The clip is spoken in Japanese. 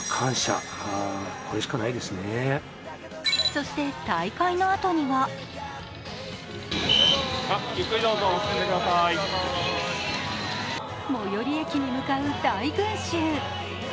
そして大会のあとには最寄り駅に向かう大群衆。